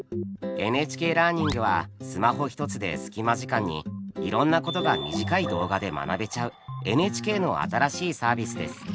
「ＮＨＫラーニング」はスマホ一つでスキマ時間にいろんなことが短い動画で学べちゃうＮＨＫの新しいサービスです。